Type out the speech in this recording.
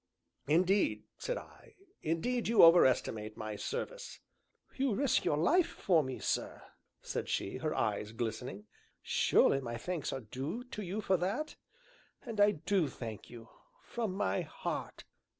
"Indeed," said I, "indeed you overestimate my service." "You risked your life for me, sir," said she, her eyes glistening, "surely my thanks are due to you for that? And I do thank you from my heart!"